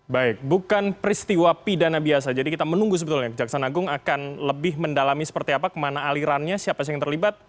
baik bukan peristiwa pidana biasa jadi kita menunggu sebetulnya kejaksaan agung akan lebih mendalami seperti apa kemana alirannya siapa sih yang terlibat